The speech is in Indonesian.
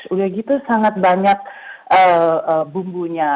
sudah begitu sangat banyak bumbunya